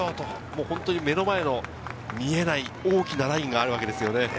本当に目の前の見えない大きなラインがあるわけですね。